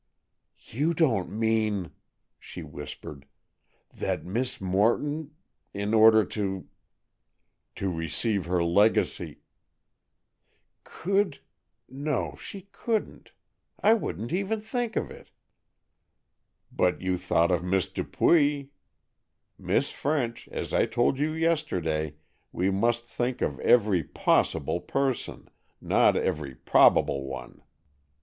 "You don't mean," she whispered, "that Miss Morton—in order to——" "To receive her legacy——" "Could—no, she couldn't! I won't even think of it!" "But you thought of Miss Dupuy. Miss French, as I told you yesterday, we must think of every possible person, not every probable one.